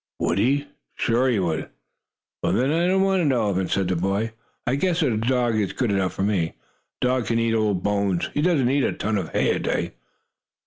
"Would he?" "Sure he would." "Well, then, I don't want an elephant," said the boy. "I guess a dog is good enough for me. A dog can eat old bones; he doesn't need a ton of hay a day."